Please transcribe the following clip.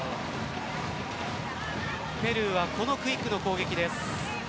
ペルーはこのクイックの攻撃です。